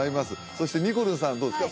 そしてにこるんさんどうですか？